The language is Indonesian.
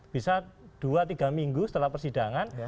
bisa dua tiga minggu setelah persidangan